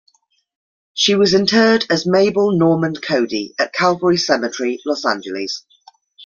She was interred as Mabel Normand-Cody at Calvary Cemetery, Los Angeles.